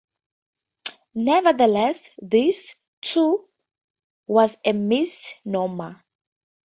Nevertheless, this, too, was a misnomer.